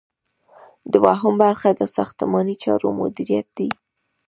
دوهم برخه د ساختماني چارو مدیریت دی.